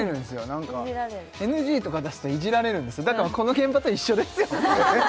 何かＮＧとか出したらいじられるんですよだからこの現場と一緒ですよ